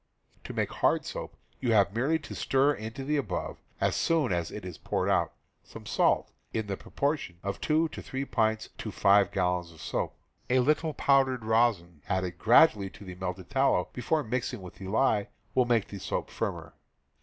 To make hard soap, you have merely to stir into the above, as soon as it is poured out, some salt, in the proportion of two or three pints to five gallons of soap. A little powdered rosin added gradually to the melted tallow, before mixing with the lye, will make the soap firmer.